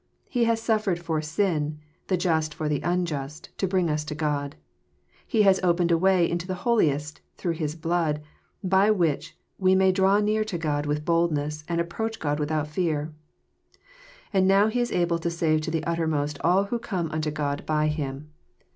He has '' suffered for sin, the just for the unjust, to bring us to Grod.*' He has opened a way into the holiest, through His blood, by which we may draw near to God with boldness, and ap proach God without fear. And now He is able to save to the uttermost all who come unto God by Him.